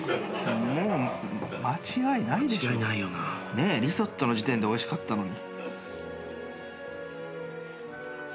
ねえリゾットの時点でおいしかったのに。